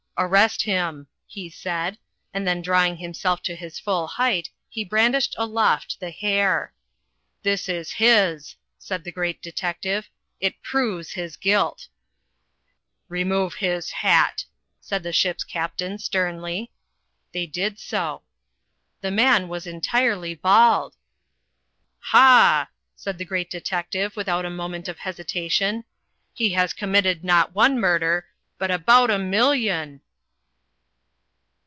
"Arrest him!" he said, and then drawing himself to his full height, he brandished aloft the hair. "This is his," said the great detective. "It proves his guilt." "Remove his hat," said the ship's captain sternly. They did so. The man was entirely bald. "Ha!" said the great detective without a moment of hesitation. "He has committed not one murder but about a million."